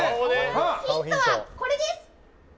ヒントはこれです！